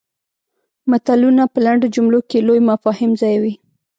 متلونه په لنډو جملو کې لوی مفاهیم ځایوي